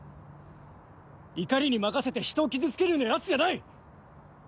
怒りに任せてひとを傷つけるようなヤツじゃない！